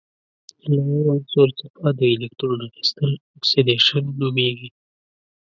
له یو عنصر څخه د الکترون اخیستل اکسیدیشن نومیږي.